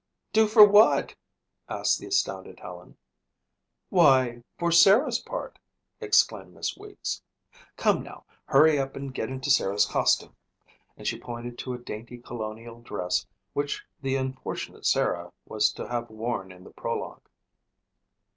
"Do for what?" asked the astounded Helen. "Why, for Sarah's part," exclaimed Miss Weeks. "Come now, hurry up and get into Sarah's costume," and she pointed to a dainty colonial dress which the unfortunate Sarah was to have worn in the prologue.